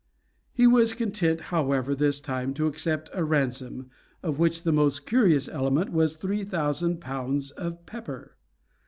He was content, however, this time to accept a ransom, of which the most curious element was three thousand pounds of pepper.